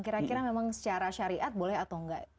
kira kira memang secara syariat boleh atau enggak